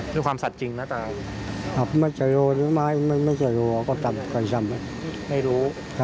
ด้วยความสัดจริงนะตาไม่จะรู้ไม่จะรู้ไม่รู้